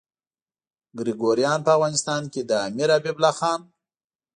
ګریګوریان په افغانستان کې د امیر حبیب الله خان.